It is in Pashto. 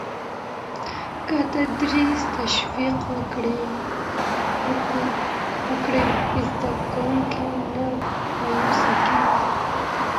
که تدریس تشویق وکړي، زده کوونکی نه مایوسه کېږي.